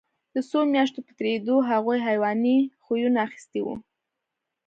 د څو میاشتو په تېرېدو هغوی حیواني خویونه اخیستي وو